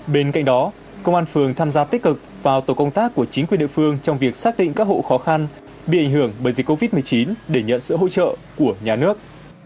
bên cạnh đó công an phường tham gia tích cực vào tổ công tác của chính quyền địa phương trong việc xác định các hộ khó khăn bị ảnh hưởng bởi dịch covid một mươi chín để nhận sự hỗ trợ của nhà nước